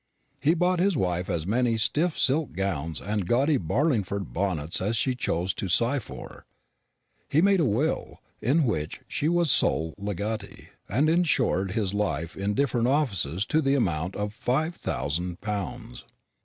He bought his wife as many stiff silk gowns and gaudy Barlingford bonnets as she chose to sigh for. He made a will, in which she was sole legatee, and insured his life in different offices to the amount of five thousand pounds.